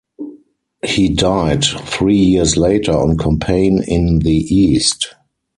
He died three years later on campaign in the east.